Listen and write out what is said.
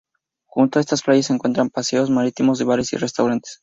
Junto a estas playas se encuentran paseos marítimos, bares y restaurantes.